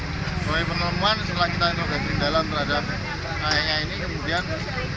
oleh penemuan setelah kita interogasi dalam terhadap ayahnya ini kemudian kita cari info